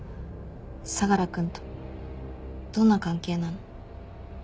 相楽君とどんな関係なの？